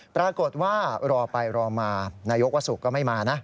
ปรากฏว่ารอไปรอมานายกวสุกก็ไม่มานะ